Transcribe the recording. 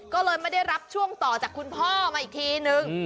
ก็เลยไม่ได้รับช่วงต่อจากคุณพ่อมาอีกทีนึง